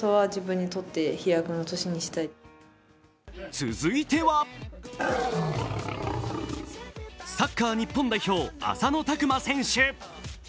続いては、サッカー日本代表、浅野拓磨選手。